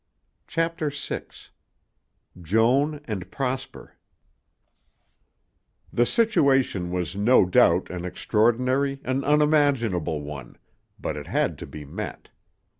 CHAPTER VI JOAN AND PROSPER The situation was no doubt an extraordinary, an unimaginable one, but it had to be met.